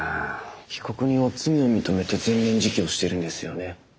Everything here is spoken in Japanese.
被告人は罪を認めて全面自供してるんですよね。